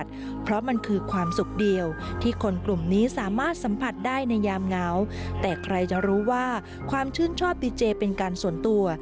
เจาะประเด็นจากรายงานของคุณบงกฎช่วยนิ่มครับ